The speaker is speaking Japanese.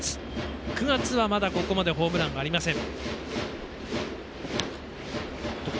９月はまだここまでホームランありません。